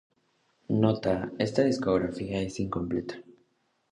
Nota: "Esta discografía es incompleta.